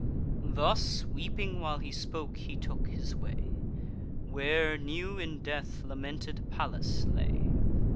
Thus, weeping while he spoke, he took his way, Where, new in death, lamented Pallas lay.